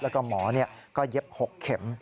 แล้วก็หมอก็เย็บ๖เข็ม